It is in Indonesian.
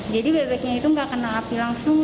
jadi bebeknya itu tidak kena api langsung